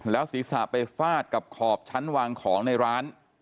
ศีรษะไปฟาดกับขอบชั้นวางของในร้าน